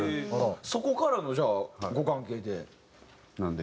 そこからのじゃあご関係で？